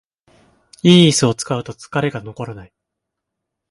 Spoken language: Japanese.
良いイスを使うと疲れが残らない